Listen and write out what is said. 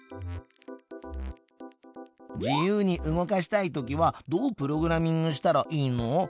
自由に動かしたいときはどうプログラミングしたらいいの？